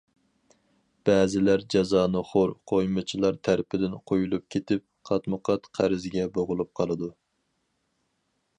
بەزىلەر جازانىخور، قۇيمىچىلار تەرىپىدىن قويۇلۇپ كېتىپ، قاتمۇقات قەرزگە بوغۇلۇپ قالىدۇ.